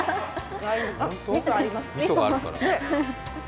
みそ、あります。